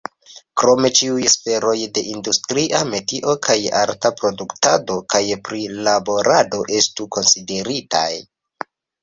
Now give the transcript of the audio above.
Krome ĉiuj sferoj de industria, metia kaj arta produktado kaj prilaborado estu konsideritaj.